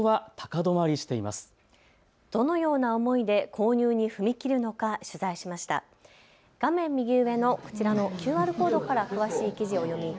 どのような思いで購入に踏み切るのか取材しました。